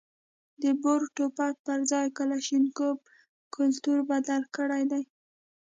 د بور ټوپک پر ځای کلاشینکوف کلتور بدل کړی دی.